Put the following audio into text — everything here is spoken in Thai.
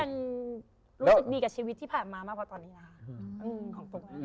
ตุ๊กก็ยังรู้สึกดีกับชีวิตที่ผ่านมามากพอตอนนี้